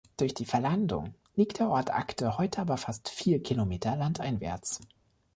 Durch die Verlandung liegt der Ort Agde heute aber fast vier Kilometer landeinwärts.